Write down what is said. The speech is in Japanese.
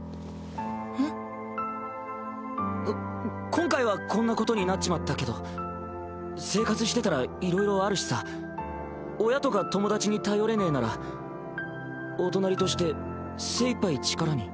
こ今回はこんなことになっちまったけど生活してたらいろいろあるしさ親とか友達に頼れねぇならお隣として精いっぱい力に。